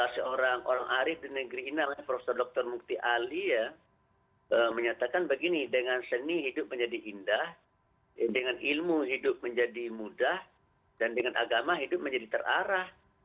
seorang orang arief di negeri ini namanya prof dr mukti ali ya menyatakan begini dengan seni hidup menjadi indah dengan ilmu hidup menjadi mudah dan dengan agama hidup menjadi terarah